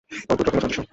অদ্ভুত রকমের সাদৃশ্য।